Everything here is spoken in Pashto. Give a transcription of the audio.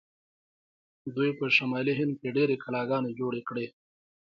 دوی په شمالي هند کې ډیرې کلاګانې جوړې کړې.